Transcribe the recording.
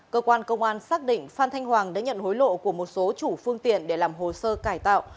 cơ quan công an xác định phan thanh hoàng đã nhận hối lộ của một số chủ phương tiện để làm hồ sơ cải tạo